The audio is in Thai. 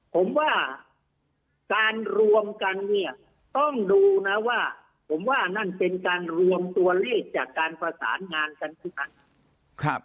ผมว่าการรวมกันเนี่ยต้องดูนะว่าผมว่านั่นเป็นการรวมตัวเลขจากการประสานงานกันทุกครั้ง